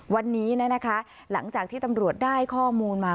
วันนี้นะคะหลังจากที่ตำรวจได้ข้อมูลมา